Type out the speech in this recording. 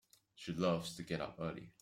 She loves to get up early.